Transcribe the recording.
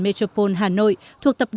và tiếp theo chương trình